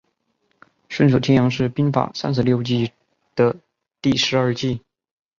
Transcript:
顺手牵羊是兵法三十六计的第十二计。